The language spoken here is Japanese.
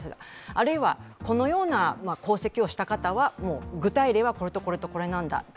あるいはこのような功績をした方が具体例はこれと、これと、これなんだと。